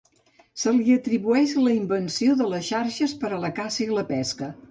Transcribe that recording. Se li atribueix la invenció de les xarxes per a la caça i la pesca.